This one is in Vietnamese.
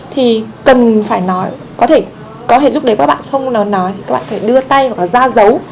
thì cần phải nói có thể lúc đấy các bạn không nói thì các bạn phải đưa tay hoặc là ra giấu